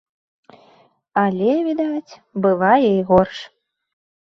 Але, відаць, бывае і горш.